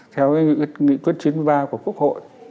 theo nghị quyết chín mươi ba của quốc hội